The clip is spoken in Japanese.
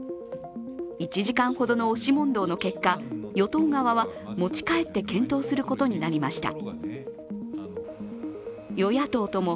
１時間ほどの押し問答の結果、与党側は持ち帰って検討することになりました。